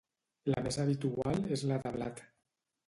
La més habitual és la de blat.